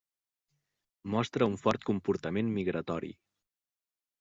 Mostra un fort comportament migratori.